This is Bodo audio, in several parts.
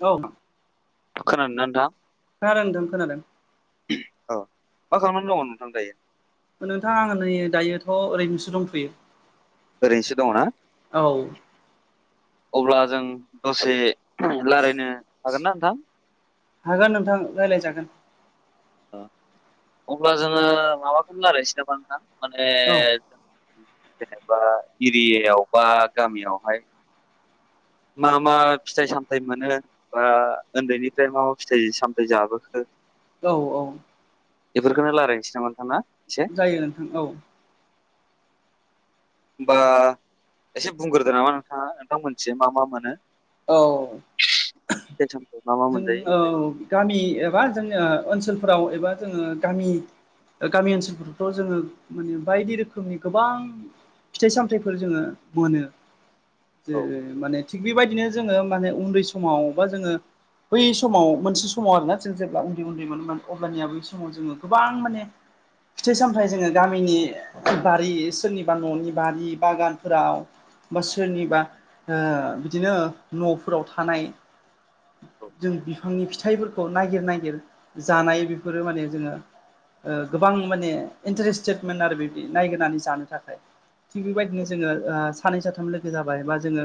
औ खोनादों नाथां? खोनादों नोंथां खोनादों। औ मा खालामनानै दङ नोंथां दायो? नोंथाङा नै दायोथ' ओरैनोसो दंथ'यो। ओरैनोसो दङ ना औ अब्ला जों दसे लारायनो हागोन ना नोंथां? हागोन नोंथां रायज्लायजागोन। ओ अब्ला जोङो माबाखोनो रायलायनोसै नामा नोंथां माने औ जेनेबा एरियायाव बा गामियावहाय मा मा फिथाइ सामथाइ मोनो बा उन्दैनिफ्राय मा मा फिथाइ सामथायाइ जाबोखो औ औ बेफोरखौनो रायनोस ना नोंथाङा? जायो नोंथां औ। होमबा एसे बुंग्रोदो नामा नोंथाङा नोंथां मोननिथिं मा मा मोनो। औ फिथाइ सामथाइ मा मा जों मोनजायो? औ गामि एबा जोंनि ओनसोलफोराव एबा जोङो गामि गामि ओनसोलफोरावथ' जोङो माने बायदि रोखोमनि गोबां फिथाइ सामथायाइफोर जोङो मोनो ज औ माने थिग बेबायदिनो जोङो माने उन्दै समाव बा जोङो बै समाव मोनसे समाव आरोना जों जेब्ला उन्दै उन्दै मोनोमोन अब्लानिया बै समाव जोङो गोबां माने फिथाइ सामथायाइ जोङो गामिनि बारि सोरनिबा न'नि बारि बागानफोराव बा सोरनिबा बिदिनो न'फोराव थानाय औ जों बिफांनि फिथाइफोरखौ नागिर नागिर जानाय बेफोरो माने जोङो गोबां माने इन्टारेस्टेडमोन आरो बिदि नायगिरनानै जानो थाखाय। थिग बेबायदिनो जोङो सानै साथाम लोगो जाबाय बा जोङो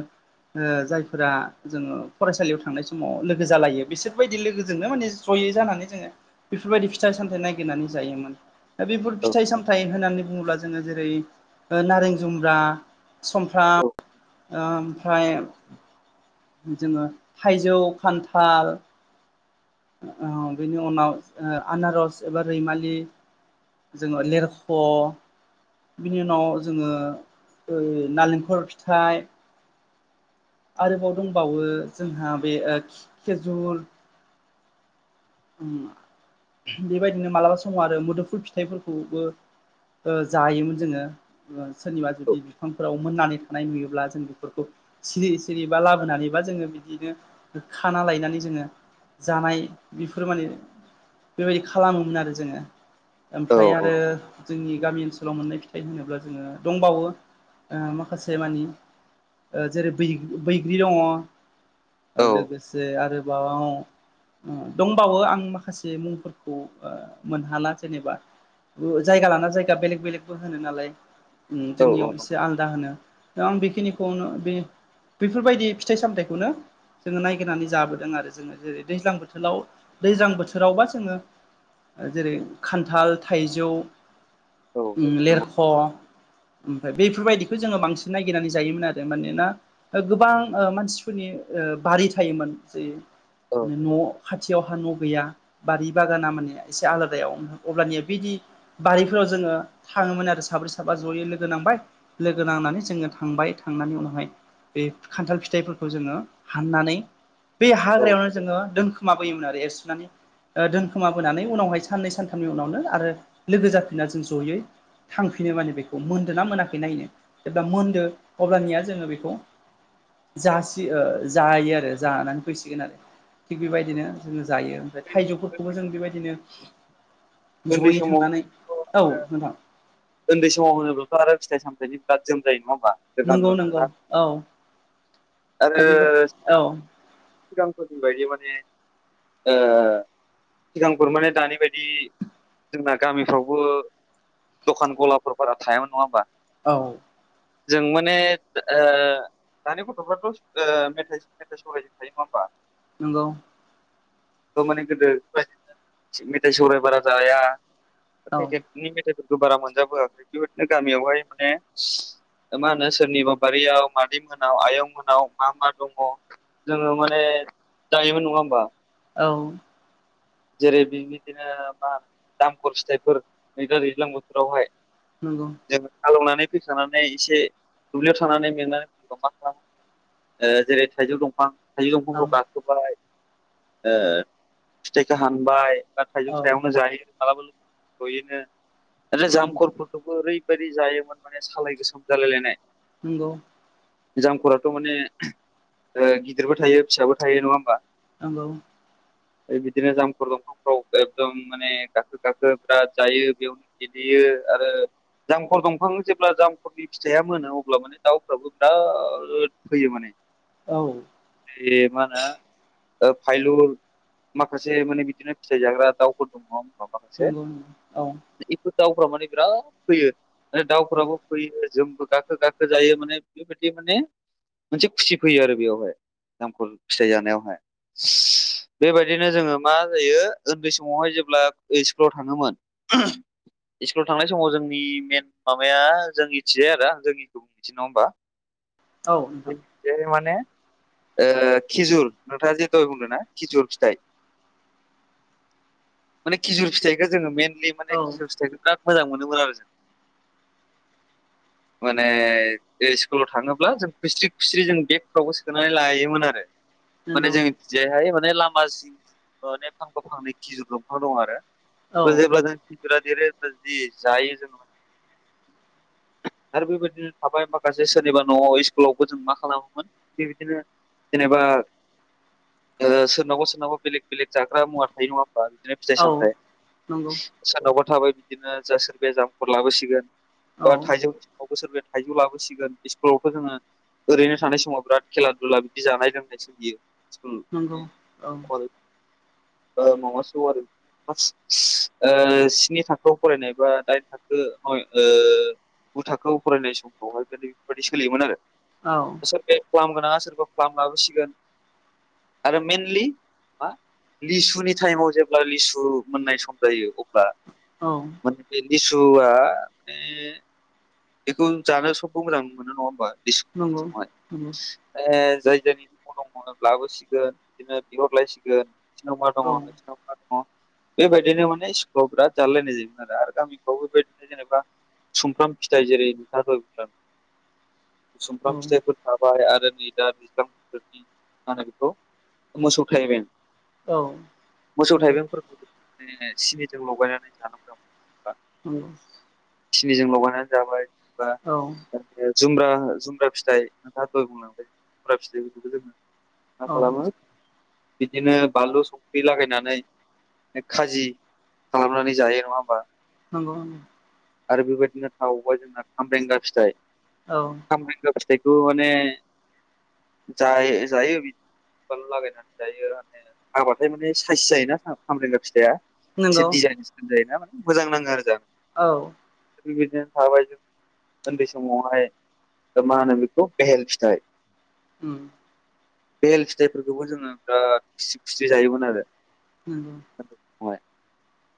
जायफोरा जोङो फरायसालियाव थांनाय समाव लोगो जालायो बिसोरबायदि लोगोजोंनो माने जयै जानानै जोङो बेफोरबायदि फिथाइ सामथायाइ नागिरनानै जायोमोन दा बेफोर औ फिथाइ सामथाइ होननानै बुङोब्ला जोङो जेरै ओ नारें जुम्ब्रा सुमफ्राम औ ओमफ्राय जोङो थाइजौ खान्थाल औ बेनि उनाव आनारस एबा रैमालि जोङो लिरख' बिनि उनाव जोङो नारेंखल फिथाइ आरोबाव दंबावो जोंहा बे खेजुर बेबायदिनो मालाबा समाव आरो मोदोमफुल फिथाइफोरखौबो जायोमोन जोङो। सोरनिबा औ जुदि बिफांफोराव मोननानै थानाय नुयोब्ला जों बेफोरखौ सिरि सिरिबा लाबोनानैबा जोङो बिदिनो खाना लायनानै जोङो जानाय बेफोर माने बेबायदि खालामोमोन आरो जोङो औ ओमफ्राय आरो औ जोंनि गामि ओनसोलाव मोननाय फिथाइ होनोब्ला जोङो दंबावो ओ माखासे मानि जेरै बै बैग्रि दंङ। औ लोगोसे आरोबाबाव उम दंबावो आं माखासे मुंफोरखौ मोनहाला जेनेबा। जायगा लाना जायगा बेलेग बेलेगबो होनो नालाय उम औ औ जोंनियाव एसे नंगौ आल दा होनो आं बेखिनिखौनो बे बेफोरबायदि फिथाइ सामथायाइखौनो जोङो नायगिरनानै जाबोदों आरो जोङो जेरै दैज्लां बोथोराव दैज्लां बोथोरावबा जोङो जेरै खान्थाल, थाइजौ औ लेरख' ओमफाय बेफोरबायदिखौ जोङो बांसिन ननायागिरनानै जायोमोन आरो मानोना। गोबां ओ मानसिफोरनि ओ बारि थायोमोन जि औ न' खाथियावहा न' गैया बारि बागाना माने एसे आलादायाव अब्लानिया बिदि बारिफोराव जोङो थाङोमोन आरो साब्रै साब्रा जयै लोगो नांबाय। लोगो नांनानै जोङो थांबाय थांनानै उनावहाय बे खान्थाल फिथाइफोरखौ जोङो हाननानै बे औ हाग्रायावनो जोङो दोन खोमा बोयोमोन आरो एर सुनानै ओ दोनखोमाबोनानै उनावहाय साननै सानथामनि उनावनो आरो लोगो जाफिना जों जयै थांफिनो माने बेखौ मोन्दो ना मोनाखै नायनो जेब्ला मोन्दो अब्लानिया जोङो बेखौ जासि जायो आरो जानानै फैसिगोन आरो। थिग बेबायदिनो जायो ओमफ्राय थाइजौफोरखौबो जों बेबायदिनो। उन्दै जयै समाव थांनानै औ नोंथां। उन्दै समाव होनोब्लाथ' आरो फिथाय सामथायनि बिराद जोम जायो नङा होमबा? जों नंगौ गामियाव नंगौ थाग्रा औ बेबा आरो सिगां। औ सिगांफोरनि बायदि माने। ओ सिगांफोर माने दानि बायदि जोंना गामिफ्रावबो। दखान गलाफोरफोरा थायामोन नङा होमबा? औ जों माने ओ दानि गथ'फ्राथ' ओ मेथाइ सेथाइजों थायो नङा होमबा? नोंगौ। माने गोदो मेथाइ सौराय बारा जाया। औ पेकेटनि मेथाइफोरखौ बारा मोनजाबोआखै बेबायदिनो गामियावहाय माने। मा होनो सोरनिबा बारियाव मादै मोनाव आयं मोनाव मा-मा दङ। जोङो माने जायोमोन नङा होमबा? औ जेरै बिबायदिनो मा दाम खर फिथाइफोर नैदा दैज्लां बोथोरावहाय। नंगौ। जों हालेवनानै फैखानानै एसे दुब्लियाव थानानै मेंनानै फैयोब्ला मा खालामो? जेरै थाइजौ दंफां थाइजौ औ दंफांखौ गाखोबाय। ओ फिथाइखौ हानबाय बा थाइजौ औ सायावनो जायो मालाबा ज'यैनो। नंगौ जामखरफोरखौबो ओरैबायदि जायोमोन माने सालाय गोसोम जालायलायनाय। नोंगौ। जामखरफोराथ' माने ओ गिदिरबो थायो फिसाबो थायो नङा होमबा? नोंगौ। बिदिनो जामखर दंफांफ्राव एकदम माने गाखो गाखो बिराद जायो बेयावनो। गेलेयो आरो जामखर दंफाङ जेब्ला जामखरनि। फिथाइया मोनो अब्ला माने दाउफ्राबो बिराद फैयो माने। औ बे माहोनो फाइलु। माखासे माने बिदिनो फिथाइ जाग्रा दाउफोर दङ [unintelligible] माखासे नंगौ औ [unintelligible] दाउफोरा माने बिराद फैयो माने दाउफोराबो फैयो जोंबो गाखो गाखो जायो माने बेबायदि माने मोनसे खुसि फैयो आरो बेयावहाय जामखल फिथाइ जानायावहाय। बेबायदिनो जोङो मा जायो उन्दै समावहाय जेब्ला ओ स्कुलाव थाङोमोन। इस्कुलाव थांनाय समाव जोंनि मेन माबाया जों मिथिबाय आरो जोंनिखौ [unintelligible] नङा होमबा? औ नोंथां [unintelligible] माने ओ खिजुर नोंथाङा जे दहाय बुंदों ना खिजुर फिथाइ। माने खिजुर फिथाइखौ जोङो मइेनलि औ माने खिजुर फिथाइखौ बिराद मोजां मोनोमोन आरो जों। माने बे स्कुलाव थाङोब्ला जों खुस्रि खुस्रि जों बेगफ्रावबो सोनानै लायोमोन आरो माने नंगौ जों जेहाय माने लामा जिं जिं ओ माने फांफा फांनै खिजिर दंफांफोर दं औ आरो। जेब्ला जों खिजुरा देरो होनब्ला जि‌ जायो जों। आरो बेबायदिनो थाबाय माखासे सोरनिबा न'आव इस स्कुलावबो जों मा खालामोमोन बेबायदिनो जेनेबा ओ सोरनावबा सोरनावबा बेलेग बेलेग जाग्रा मुवा थायो नङा होमबा, बिदिनो फिथाइ औ सामथाइ। नंगौ सोरनावबा थाबाय बिदिनो जा सोरबाया जामफोर लाबोसिगोन औ बा थाइजौ बावबो सोरबा थाइजौ लाबोसिगोन स्कुलावथ' जोङो ओरैनो थानाय समाव बिराद खेला दुला बिदि जानाय लोंनाय सोलियो नंगौ औ स्कुल [unintelligible] ओ म'म' सुप आरि [unintelligible] ओ स्नि थाखोआव फरायनाय बा दाइन थाखो नय ओ गु थाखोआव फरायनाय समावहाय [unintelligible] ओरैबायदि सोलियोमोन आरो। औ। सोरबाया फ्लाम गोनाङा सोरबा फ्लाम लाबोसिगोन आरो मेनलि मा लिसुनि टाइमाव जेब्ला लिसु मोननाय सम जायो अब्ला औ। माने बे लिसुआ माने बेखौ जानो सबबो मोजां मोनो नङा होमबा नंगौ [unintelligible] नंगौ ऐ जाय जायनि [unintelligible] लाबोसिगोन बिदिनो बिहरलायसिगोन। [unintelligible] मा दङ' औ नोंसिनाव? [unintelligible] बेबायदिनो माने स्कुलाव बिराद जालायलायनाय जायोमोन आरो। आरो गामिखौफोरावबो बेबायदिनो जेनेबा सुमफ्राम फिथाइ जेरै नोंथाङा दहाय बुंदोंमोन ना सुमफ्राम औ फिथाइखौ थाबाय आरो नै दा दैज्लां बोथोरनि मा होनो बेखौ मोसौ थायबें। औ मोसौ नंगौ थाइबेंफोर जेरैहाय सिनिजों लगायनानै जानो [unintelligible] ओम। सिनिजों लगायनानै जाबाय बा औ ओ जुमब्रा जुमब्रा फिथाइ नोंथाङा दहाय बुंलांबाय जुमब्रा फिथाइफोरखौबो मा औ खालामो, बिदिनो बानलु संख्रि लागायनानै बे खाजि खालामनानै जायो नङा होमबा? नंगौ ओं। आरो बेबायदिनो थाबावबाय जोंना खाम्रेंगा फिथाइ। औ। खामरेंगा फिथाइखौ माने जा-जायो। संख्रि बानलु लागायनानै जायो हाबाथाय माने साइस जायोना खामरेंगा फिथाइआ। एसे नंगौ डिजाइन सिन जायोना मोजां नाङो आरो जानो। औ। बिबायदिनो थाबाय उन्दै समावहाय ओ मा होनो बेखौ बेहेल फिथाइ उम। बेहेल फिथाइफोरखौबो जोङो ओ खुसि खुसि जायोमोन आरो। उम। उन्दै समावहाय।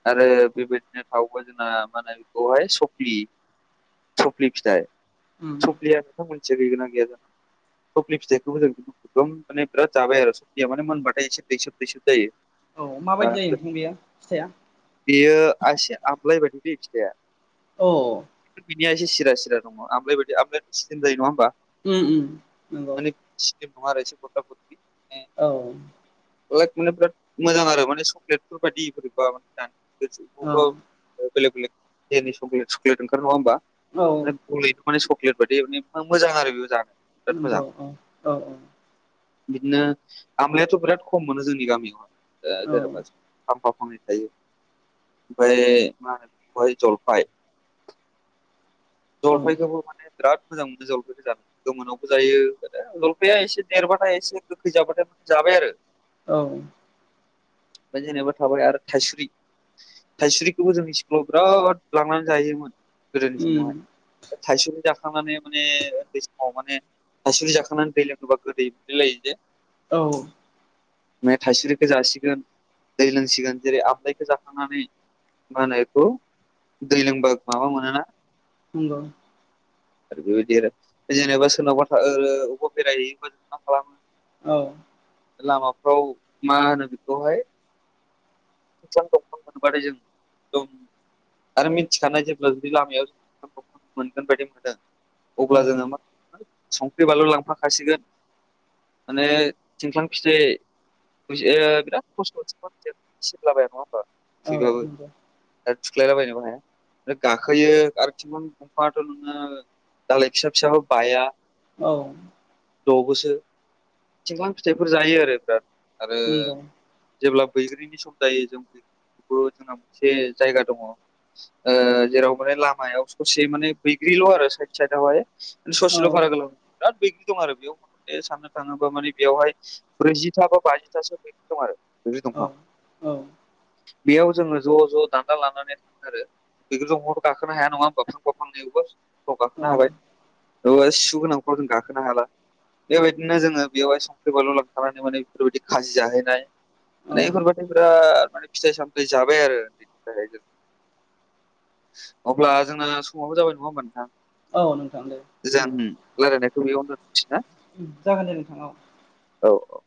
आरो बेबायदिनो थावोबा जोंना मा होने बेखौहाय सफि सफ्लि फिथाइ। उम सफ्लिया नथ' मोनथिया गैगोनां गैया जों सफ्लि फिथाइखौबो जों गोबां माने बिराद जाबाय आरो सफ्लिया माने मोनबाथाय एसे दैसोब दैसोब जायो। औ माबायदि जायो ओ [unintelligible] फिथाया? बेयो एसे आमलाय बायदि बे फिथाइआ। अ। बिनिया एसे सिरा सिरि दङ आमलायदि आमलाय एसे स्लिम जायो नङा होनोमबा? उम उम नंगौ। सिदों नङा आरो एसे मोफ्ला मोफ्लि औ। लाइक माने बिराद मोजां आरो माने चक्लेटफोर बायदि बोरैबा जानो [unintelligible] बेलेग बेलेग ग्रेबि सक्लेट सकलेट ओंखारो नङा होमबा? औ सलेथ मान सक्लेट बायदि मोजां आरो बेबो जानो बिराद मोजां नंगौ अ औ औ। बिदिनो आामलायाथ' बिराद खम मोनो जोंनि गामियाव। ओ औ जेन'बा फांफा फांनै थायो। ओमफ्राय फाय जलफाय औ उम जलफाइखौबो माने बिराद मोजां मोनो जलफाइखौ जानो। गोमोनावबो जायो जलफाया एसे देरबाथाय एसे गोखै जाबाथाय माने जाबाय आरो। औ। ओ जेनबा थाबाय आरो थाइसुरि थायसुरिखौबो जों स्कुलाव बिराद लांनानै जाहैयोमोन गोदोनि समावहाय। थाइसुरि जाखांनानै माने उनदै समाव माने थाइसुरि जाखांनानै दै लोङोबा गोदै मोनलाय लायो जे औ। मे थाइसुरिखौ जासिगोन दै लोंसिगोन जेरै आमलाायखौ जाखांनानै मानायखौ दैज्लांबा माबा मोनोना नोंग आरो बेबायदि आरो जेनेबा सोरनावबा थ अबेबा बेरायहैयोबा जों मा खालामो। औ। लामाफ्राव मा होनो बेखौहाय दंफां मोनबथाय जों आरो मिथिखानाय जेब्ला जुदि लामायाव मोनगोन बायदि मोनदों औ अब्ला जोङो मा संख्रि बानलु लांफाखासिगोन माने थिंख्लां फिथाइ बिराद खस्थ सिबलाबाय नङा होनबा थाबो नंगौ आरो थुख्लायलाबायनोबो हाया गाखोयो आरोथिं दंफाङाथ' नोङो दालाय फिसा फिसाबो बाया औ। द'बोसो थिंख्लां फिथाइफोर जायो आरो बिराद आरो नंगौ जेब्ला बैग्रिनि सम जायो जों बैग्रि जोंना मोनसे जायगा दङ जेराव माने लामायाव ससे माने बैग्रिल' आरो साइद साइदआवहाय औ ससेल' बारा गोलाव बिराद बैग्रि दं आरो बेयाव मे साननो थाङोब्ला माने बेयावहाय ब्रैजिथा बा बाजिथासो दं आरो बैग्रि औ दंफां। बेयाव जोङो ज' ज' दान्दा लानानै थांङो आरो। बेखौथ' महर' गाखोनो हाया नङा फांफा फांनैयावबो। फ्राव गाखोनो हाबाय औ बहा सिु गोनांफ्राव जों गाखोनो हाला बेबायदिनो जोङो बेवहाय सोरबा ललां थानानै माने बेफोरबायदि खाजि जाहैनाय। माने औ बेफोरबायादि बिराद माने फिथाइ सामथाय जाबाय आरो [unintelligible] अब्ला जोंना समावबो जाबाय नङा होमबा नोंथां औ नोंथां दे लारायनायखौ बेयावननो सै ना जागोन दे नोंथांनाव औ औ औ